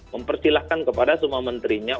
mempersilahkan kepada semua menterinya